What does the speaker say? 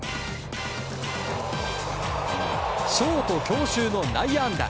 ショート強襲の内野安打。